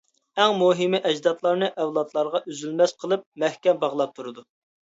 ئەڭ مۇھىمى ئەجدادلارنى ئەۋلادلارغا ئۈزۈلمەس قىلىپ مەھكەم باغلاپ تۇرىدۇ.